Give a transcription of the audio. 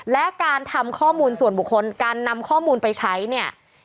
และการทำข้อมูลส่วนบุคคลการนำข้อมูลไปใช้เนี่ย